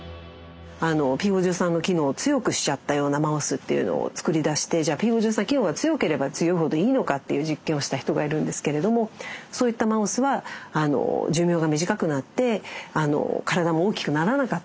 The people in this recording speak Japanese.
ｐ５３の機能を強くしちゃったようなマウスっていうのをつくり出してじゃあｐ５３機能が強ければ強いほどいいのかっていう実験をした人がいるんですけれどもそういったマウスは寿命が短くなってからだも大きくならなかったりするんですね。